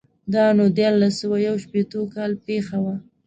دا نو دیارلس سوه یو شپېتو کال پېښه وه.